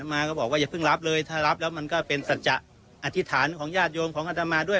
มาก็บอกว่าอย่าเพิ่งรับเลยถ้ารับแล้วมันก็เป็นสัจจะอธิษฐานของญาติโยมของอัตมาด้วย